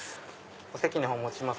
お席の方お持ちします。